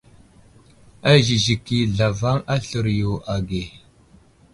Azəziki zlavaŋ aslər yo age.